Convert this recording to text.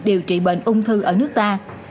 điều trị bệnh ung thư ở nước ta